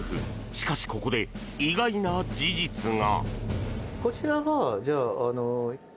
しかし、ここで意外な事実が。